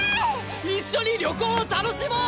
一緒に旅行を楽しもう！